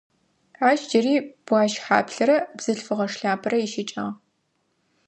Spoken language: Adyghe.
Ащ джыри плащ хьаплърэ бзылъфыгъэ шляпэрэ ищыкӏагъ.